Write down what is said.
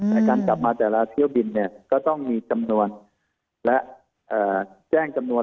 แต่การกลับมาแต่ละเที่ยวบินเนี่ยก็ต้องมีจำนวนและแจ้งจำนวน